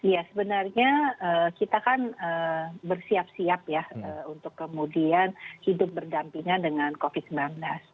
ya sebenarnya kita kan bersiap siap ya untuk kemudian hidup berdampingan dengan covid sembilan belas